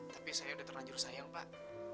tapi saya udah terlanjur sayang pak